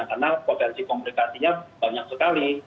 karena potensi komplikasinya banyak sekali